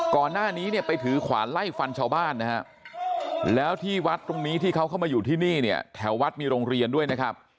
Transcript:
ก่อนหน้านี้เนี่ยไปถือขวานไล่ฟันชาวบ้านนะฮะแล้วที่วัดตรงนี้ที่เขาเข้ามาอยู่ที่นี่เนี่ยแถววัดมีโรงเรียนด้วยนะครับ